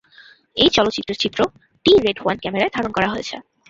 এই চলচ্চিত্রের চিত্র, টি রেড ওয়ান ক্যামেরায় ধারণ করা হয়েছে।